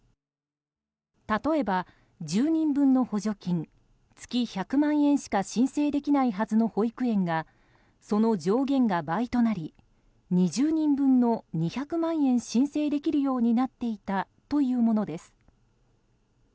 例えば１０人分の補助金月１００万円しか申請できないはずの保育園がその上限が倍となり２０人分の２００万円申請できるようになっていたというものです。